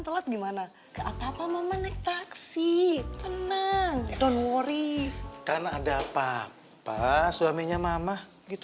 telat gimana apa apa mama naik taksi tenang don worry karena ada apa apa suaminya mama gitu